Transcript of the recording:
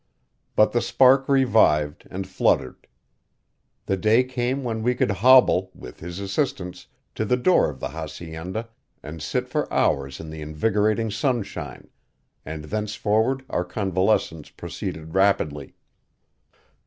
But the spark revived and fluttered. The day came when we could hobble, with his assistance, to the door of the hacienda and sit for hours in the invigorating sunshine; and thenceforward our convalescence proceeded rapidly.